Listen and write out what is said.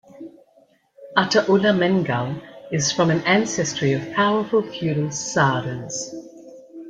Ataullah Mengal is from an ancestry of powerful feudal sardars.